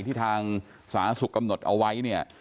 ที่ทางสหสสุขำหนดเอาไว้